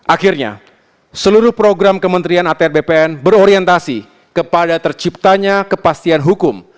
akhirnya seluruh program kementerian atr bpn berorientasi kepada terciptanya kepastian hukum